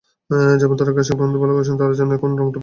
যেমন, তারা ঘাসের গন্ধ ভালোবাসে, তারা জানে কোন রংটা তাদের পছন্দ।